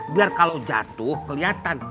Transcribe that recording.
biar kalo jatuh keliatan